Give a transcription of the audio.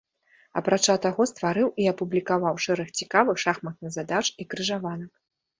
Апрача таго стварыў і апублікаваў шэраг цікавых шахматных задач і крыжаванак.